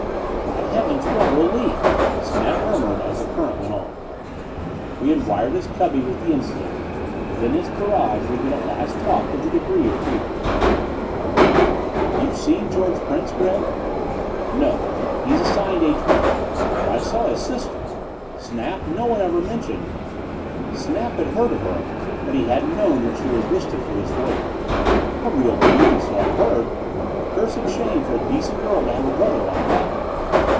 "By heavens, what a relief!" Snap murmured as the current went on. We had wired his cubby with the insulator; within its barrage we could at last talk with a degree of freedom. "You've seen George Prince, Gregg?" "No. He's assigned A 20. But I saw his sister. Snap, no one ever mentioned " Snap had heard of her, but he hadn't known that she was listed for this voyage. "A real beauty, so I've heard. Accursed shame for a decent girl to have a brother like that."